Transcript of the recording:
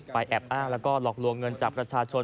แอบอ้างแล้วก็หลอกลวงเงินจากประชาชน